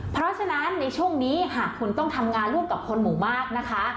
เพราะฉะนั้นในช่วงนี้หากคุณต้องทำงานร่วมกับคนหมู่มากนะคะ